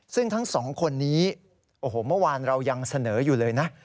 ซึ่งทั้งสองคนนี้โอ้โหเมื่อวานเรายังเสนออยู่เลยนะ